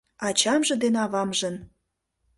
Ачамже ден авамжын